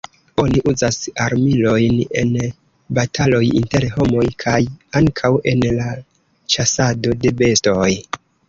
Oni uzas armilojn en bataloj inter homoj, kaj ankaŭ en la ĉasado de bestoj.